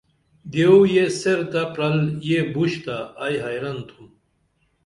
دِیو یہ سیر تہ پرل یہ بُشتہ ائی خیرن تُھم